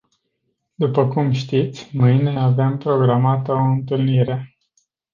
După cum știți, mâine avem programată o întâlnire.